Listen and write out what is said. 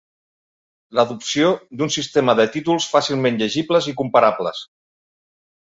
L'adopció d'un sistema de títols fàcilment llegibles i comparables